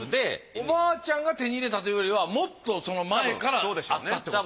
おばあちゃんが手に入れたというよりはもっとその前からあったってこと？